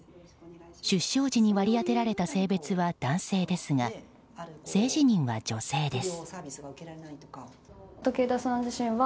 出生時に割り当てられた性別は男性ですが性自認は女性です。